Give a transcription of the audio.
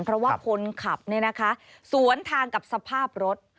เพราะว่าคนขับสวนทางกับสภาพรถ